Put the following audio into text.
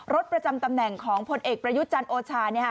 ๒๙รถประจำตำแหน่งของผลเอกประยุทธ์จันทร์โอชาเนี่ย